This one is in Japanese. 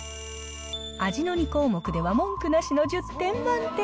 味の２項目では文句なしの１０点満点。